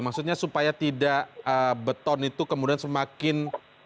maksudnya supaya tidak beton itu kemudian semakin